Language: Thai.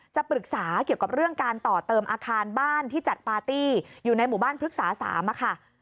จะปรึกษาเกี่ยวกับเรื่องการต่อเติมอาคารบ้านที่จัดปาร์ตี้อยู่ในหมู่บ้านพฤกษา๓ค่ะ